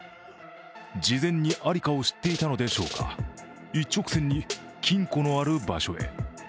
事前に在りかを知っていたのでしょうか、一直線に金庫のある場所へ。